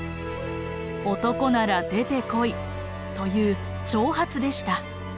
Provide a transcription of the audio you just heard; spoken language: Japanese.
「男なら出てこい」という挑発でした。